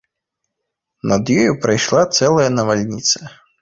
Над ёю прайшла цэлая навальніца.